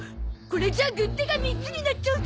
これじゃ軍手が三つになっちゃうゾ！